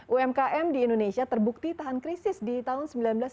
umkm di indonesia terbukti tahan krisis di tahun seribu sembilan ratus sembilan puluh